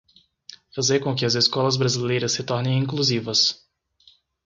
fazer com que as escolas brasileiras se tornem inclusivas